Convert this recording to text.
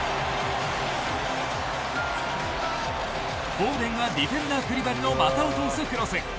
フォーデンがディフェンダークリバリの股を通すクロス。